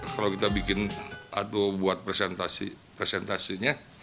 kalau kita bikin atau buat presentasi presentasinya